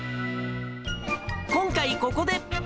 今回ここで。